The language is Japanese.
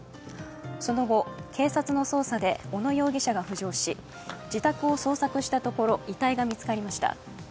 その後、警察の捜査で小野容疑者が浮上し自宅を捜索したところ遺体が見つかりました。